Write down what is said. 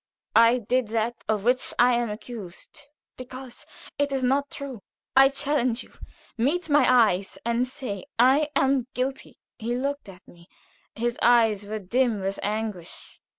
I did that of which I am accused,' because it is not true. I challenge you; meet my eyes, and say, 'I am guilty!'" He looked at me; his eyes were dim with anguish.